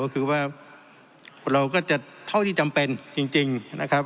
ก็คือว่าเราก็จะเท่าที่จำเป็นจริงนะครับ